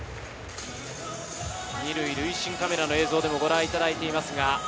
２塁塁審カメラの映像でもご覧いただいています。